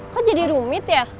kok jadi rumit ya